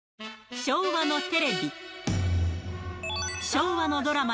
昭和のテレビ。